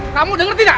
kamu denger tidak